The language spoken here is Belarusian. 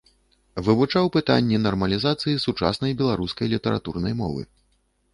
Вывучаў пытанні нармалізацыі сучаснай беларускай літаратурнай мовы.